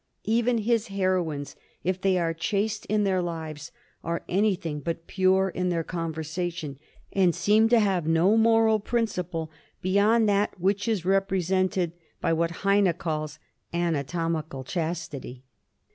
Even his heroines, if they are chaste in their lives, are anything but pure in their conversation, and seem to have no moral principle beyond that which is repre sented by what Heine calls an * anatomical chastity.'